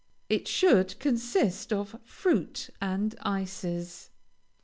It should consist of fruit and ices.